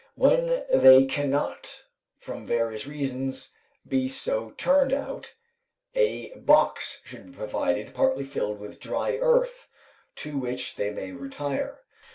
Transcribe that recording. When they cannot from various reasons be so turned out, a box should be provided, partly filled with dry earth, to which they may retire.